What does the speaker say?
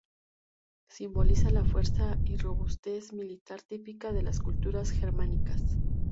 Simboliza la fuerza y robustez militar típicas de las culturas germánicas.